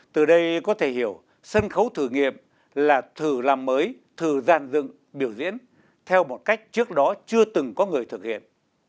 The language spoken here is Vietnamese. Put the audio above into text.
từ đây có thể hiểu sân khấu thử nghiệm là thử làm mới thử giàn dựng biểu diễn theo một cách trước đó chưa từng có người thực hiện